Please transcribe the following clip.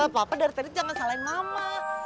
papa dari tadi jangan salahin mama